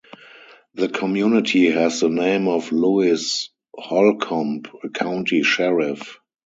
The community has the name of Lewis Holcomb, a county sheriff.